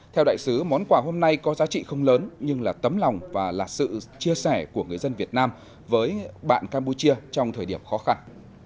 theo đại sứ món quà hôm nay có giá trị không lớn nhưng là tấm lòng và là sự chia sẻ của người dân việt nam với bạn campuchia trong thời điểm khó khăn